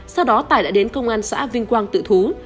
sau đó tài đã đến công an xã vinh quang tự thú